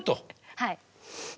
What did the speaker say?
はい。